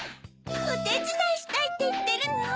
「おてつだいしたい」っていってるの？